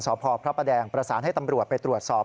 สพพระประแดงประสานให้ตำรวจไปตรวจสอบ